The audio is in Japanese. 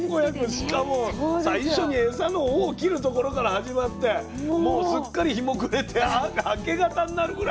しかも最初にエサの尾を切るところから始まってもうすっかり日も暮れて明け方になるぐらい。